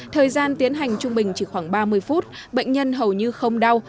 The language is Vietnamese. thời gian tiến hành trung bình chỉ khoảng ba mươi phút bệnh nhân hầu như không đau